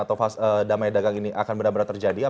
atau damai dagang ini akan benar benar terjadi